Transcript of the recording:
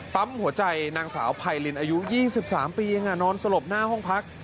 ปั๊มหัวใจนางสาวไพรินอายุ๒๓ปีนอนสลบหน้าห้องพัก